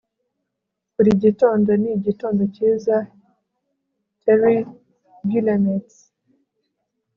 buri gitondo ni igitondo cyiza. - terri guillemets